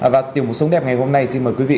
và tiểu mục sống đẹp ngày hôm nay xin mời quý vị